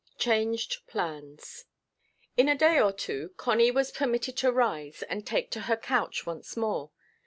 CHANGED PLANS. In a day or two Connie was permitted to rise and take to her couch once more.